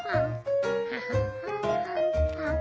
ハハハハハ。